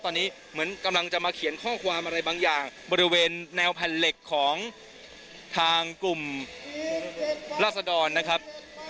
ตอนนี้เหมือนกำลังจะมาเขียนข้อความอะไรบางอย่างบริเวณแนวแผ่นเหล็กของทางกลุ่มราศดรนะครับ